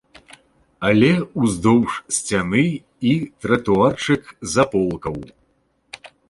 Але ўздоўж сцяны і тратуарчык з аполкаў.